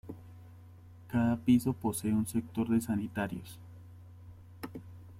Cada piso posee un sector de sanitarios.